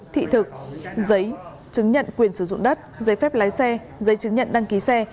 thị thực giấy chứng nhận quyền sử dụng đất giấy phép lái xe giấy chứng nhận đăng ký xe